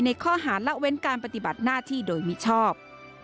ข้อหาละเว้นการปฏิบัติหน้าที่โดยมิชอบ